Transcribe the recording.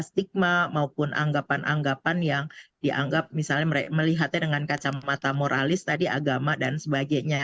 stigma maupun anggapan anggapan yang dianggap misalnya melihatnya dengan kacamata moralis tadi agama dan sebagainya